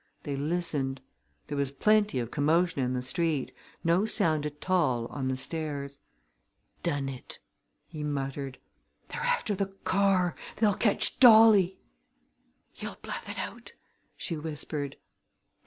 They listened. There was plenty of commotion in the street no sound at all on the stairs. "We've done it!" he muttered. "They're after the car! They'll catch Dolly!" "He'll bluff it out!" she whispered.